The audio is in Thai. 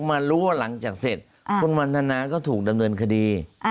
มารู้ว่าหลังจากเสร็จคุณวันทนาก็ถูกดำเนินคดี